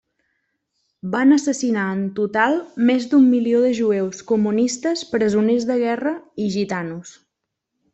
Van assassinar en total més d'un milió de jueus, comunistes, presoners de guerra i gitanos.